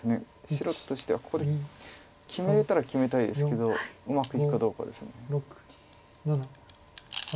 白としてはここで決めれたら決めたいですけどうまくいくかどうかです。